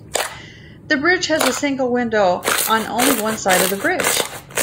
The bridge has a single window on only one side of the bridge.